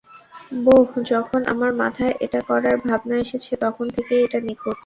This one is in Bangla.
বোহ, যখন আমার মাথায় এটা করার ভাবনা এসেছে তখন থেকেই এটা নিখুঁত।